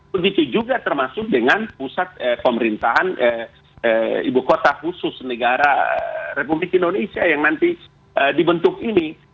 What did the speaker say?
begitu juga termasuk dengan pusat pemerintahan ibu kota khusus negara republik indonesia yang nanti dibentuk ini